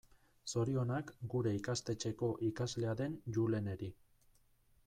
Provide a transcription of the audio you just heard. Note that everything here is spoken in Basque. Zorionak gure ikastetxeko ikaslea den Juleneri.